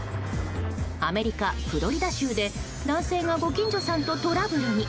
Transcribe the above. アメリカ・フロリダ州で男性がご近所さんとトラブルに。